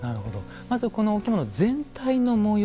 まずこのお着物全体の模様